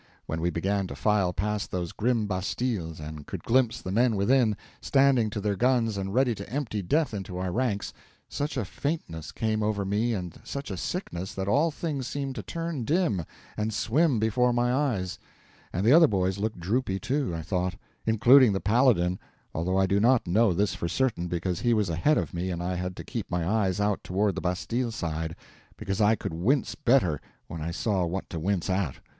When we began to file past those grim bastilles and could glimpse the men within, standing to their guns and ready to empty death into our ranks, such a faintness came over me and such a sickness that all things seemed to turn dim and swim before my eyes; and the other boys looked droopy, too, I thought—including the Paladin, although I do not know this for certain, because he was ahead of me and I had to keep my eyes out toward the bastille side, because I could wince better when I saw what to wince at.